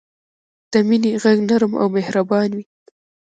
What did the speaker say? د مینې ږغ نرم او مهربان وي.